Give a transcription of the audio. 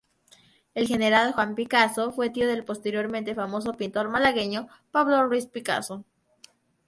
El general Juan Picasso fue tío del posteriormente famoso pintor malagueño Pablo Ruiz Picasso.